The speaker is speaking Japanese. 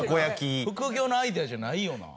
副業のアイデアじゃないよな。